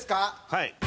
はい。